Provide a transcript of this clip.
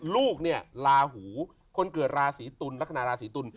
ลูกราหู่คนเกิดราศรีตุลลักษณะราศรีตุล